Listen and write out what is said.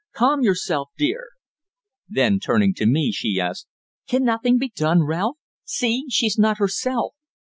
Calm yourself, dear." Then turning to me she asked, "Can nothing be done, Ralph? See she's not herself.